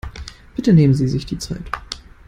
Bitte nehmen Sie sich die Zeit.